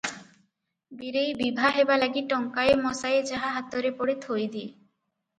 ବୀରେଇ ବିଭା ହେବା ଲାଗି ଟଙ୍କାଏ ମସାଏ ଯାହା ହାତରେ ପଡ଼େ ଥୋଇ ଦିଏ ।